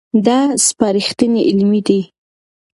دا سپارښتنې عملي دي.